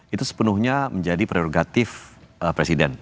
itu sepenuhnya menjadi prerogatif presiden